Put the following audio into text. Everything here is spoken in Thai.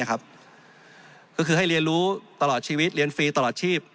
ก็คือให้เรียนรู้ตลอดชีวิตเรียนฟรีตลอดชีพ